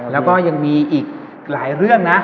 แล้วก็ยังมีอีกหลายเรื่องนะ